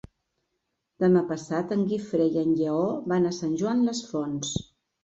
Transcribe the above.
Demà passat en Guifré i en Lleó van a Sant Joan les Fonts.